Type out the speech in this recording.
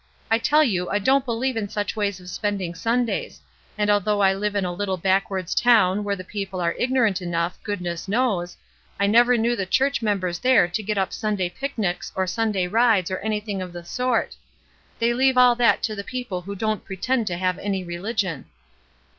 I tell you I don't believe in such ways of spending Sundays; and although I live in a 90 ESTER RIED'S NAMESAKE little backwoods town where the people are ignorant enough, goodness knows, I never knew the church members there to get up Sunday picnics or Simday rides or anything of the sort. They leave all that to the people who don't pretend to have any rehgion.''